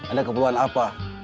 ada keperluan apa